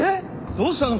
どうしたの？